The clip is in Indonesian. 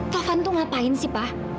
tuhan tuh ngapain sih pak